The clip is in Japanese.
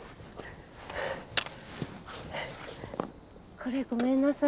これごめんなさい。